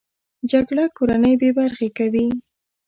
جګړه کورنۍ بې برخې کوي